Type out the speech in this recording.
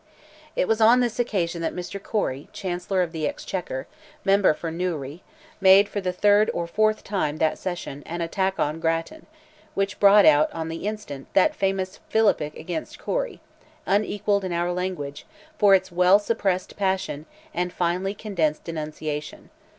It was on this occasion that Mr. Corry, Chancellor of the Exchequer, member for Newry, made for the third or fourth time that session, an attack on Grattan, which brought out, on the instant, that famous "philippic against Corry," unequalled in our language, for its well suppressed passion, and finely condensed denunciation.